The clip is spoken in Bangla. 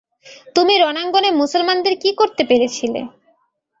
তুমি রণাঙ্গনে মুসলমানদের কি করতে পেরেছিলে?